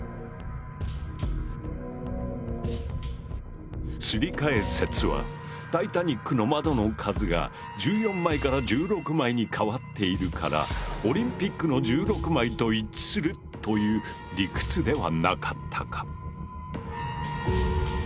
確かすり替え説はタイタニックの窓の数が１４枚から１６枚に変わっているからオリンピックの１６枚と一致するという理屈ではなかったか？